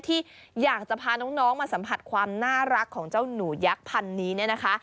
ที่อยากจะพาน้องมาสัมผัสความน่ารักของเจ้าหนูยักษ์พันธุ์นี้เนี่ยนะคะ